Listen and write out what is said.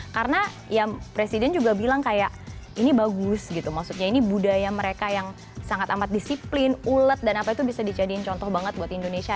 karena ya presiden juga bilang kayak ini bagus gitu maksudnya ini budaya mereka yang sangat amat disiplin ulet dan apa itu bisa dijadiin contoh banget buat indonesia